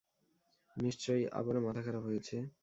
নিশ্চয়ই আবারও মাথা খারাপ হয়েছে!